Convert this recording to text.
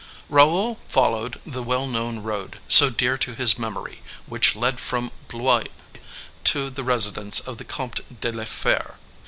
Raoul followed the well known road, so dear to his memory, which led from Blois to the residence of the Comte de la Fere.